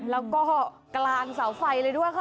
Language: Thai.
แล้วก็กลางเสาไฟเลยด้วยค่ะ